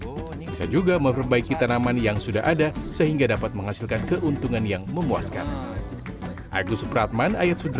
bisa juga memperbaiki tanaman yang sudah ada sehingga dapat menghasilkan keuntungan yang memuaskan